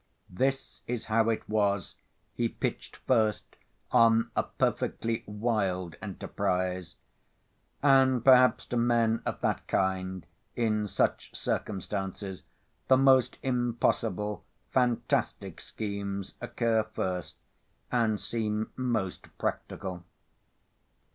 This is how it was he pitched first on a perfectly wild enterprise. And perhaps to men of that kind in such circumstances the most impossible, fantastic schemes occur first, and seem most practical.